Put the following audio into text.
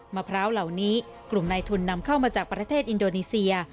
มะพร้าวเหล่านี้กลุ่มในทุนนำเข้ามาจากประเทศอินโดนีเซีย